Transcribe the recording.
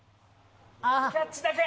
キャッチだけ！